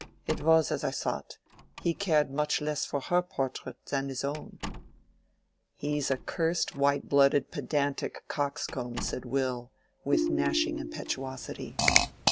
It was as I thought: he cared much less for her portrait than his own." "He's a cursed white blooded pedantic coxcomb," said Will, with gnashing impetuosity.